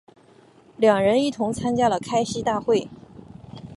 两人一同参加了开西大会。